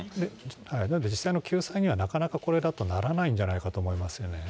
実際の救済には、なかなかこれだとならないんじゃないかと思いますよね。